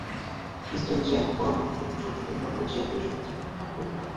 Me. জ্যাকবম্বার্ড এখন সংশোধনী নম্বর ছিয়াত্তরের সমর্থনে কথা বলতে পারেন।